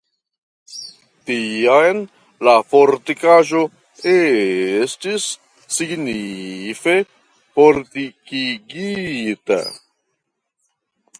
Tiam la fortikaĵo estis signife fortikigita.